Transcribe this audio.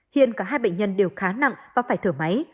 hiện cả hai bệnh nhân đều khá nặng và phải thở máy